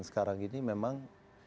sekarang ini memang